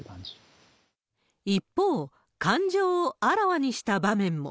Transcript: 一方、感情をあらわにした場面も。